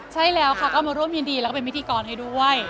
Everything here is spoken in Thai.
ใช่แล้วค่ะก็มาร่วมยินดีแล้วก็เป็นพิธีกรให้ด้วย